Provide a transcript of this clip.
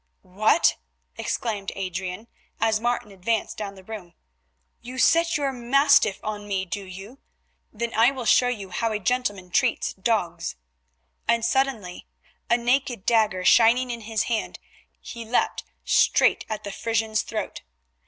"What!" exclaimed Adrian, as Martin advanced down the room, "you set your mastiff on me, do you? Then I will show you how a gentleman treats dogs," and suddenly, a naked dagger shining in his hand, he leaped straight at the Frisian's throat.